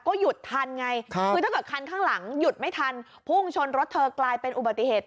ก็หยุดทันไงคือถ้าเกิดคันข้างหลังหยุดไม่ทันพุ่งชนรถเธอกลายเป็นอุบัติเหตุ